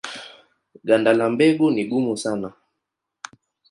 Ganda la mbegu ni gumu sana.